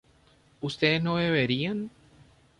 ¿ustedes no beberían?